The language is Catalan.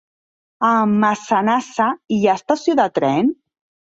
A Massanassa hi ha estació de tren?